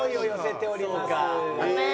ごめん。